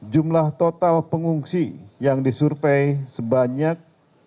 jumlah total pengungsi yang disurvey sebanyak